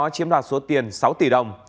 chiếm đoạt số tiền sáu tỷ đồng